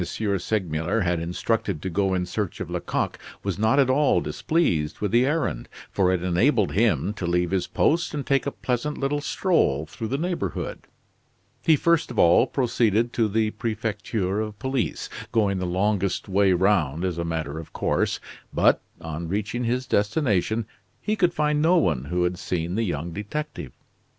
Segmuller had instructed to go in search of Lecoq was not at all displeased with the errand; for it enabled him to leave his post and take a pleasant little stroll through the neighborhood. He first of all proceeded to the Prefecture of Police, going the longest way round as a matter of course, but, on reaching his destination, he could find no one who had seen the young detective.